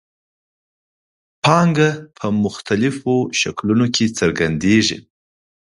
پانګه په مختلفو شکلونو کې څرګندېږي